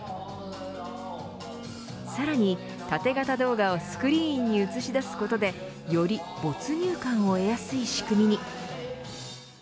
さらに、縦型動画をスクリーンに映し出すことでより没入感を得やすい仕組みに。